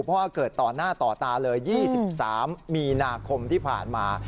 เพราะว่าเกิดต่อหน้าต่อตาเลย๒๓มีนาคมที่ผ่านมา